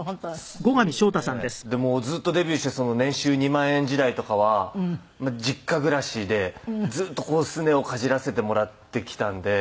でもうずっとデビューして年収２万円時代とかは実家暮らしでずーっとこうすねをかじらせてもらってきたんで。